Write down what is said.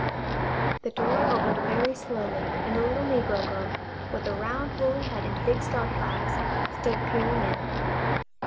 The door opened very slowly and a little negro girl, with a round woolly head and big startled eyes, stood peering in.